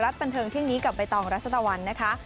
ในไทยรัฐบันเทิงเที่ยงนี้กับไปตรัสเตอร์วันนะคะ